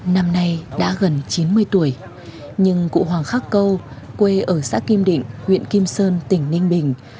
năm nay đã gần chín mươi tuổi nhưng cụ hoàng khắc câu quê ở xã kim định huyện kim sơn tỉnh ninh bình